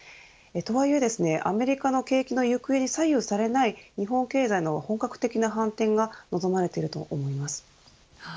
とはいえアメリカの景気の行方に左右されない日本経済の本格的な反転が望まれていると思います。